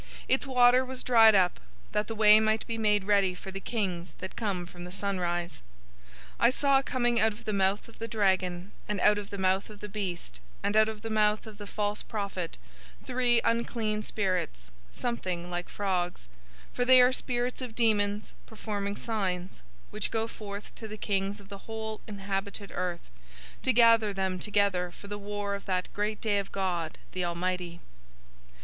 Its water was dried up, that the way might be made ready for the kings that come from the sunrise. 016:013 I saw coming out of the mouth of the dragon, and out of the mouth of the beast, and out of the mouth of the false prophet, three unclean spirits, something like frogs; 016:014 for they are spirits of demons, performing signs; which go forth to the kings of the whole inhabited earth, to gather them together for the war of that great day of God, the Almighty.